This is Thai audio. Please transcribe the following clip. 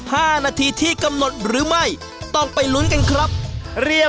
๕นาทีที่กำหนดหรือไม่